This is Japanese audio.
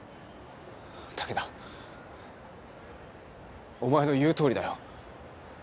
武田お前の言うとおりだよ。